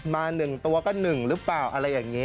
มา๑ตัวก็๑หรือเปล่าอะไรอย่างนี้